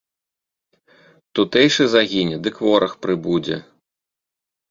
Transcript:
Тутэйшы загіне, дык вораг прыбудзе!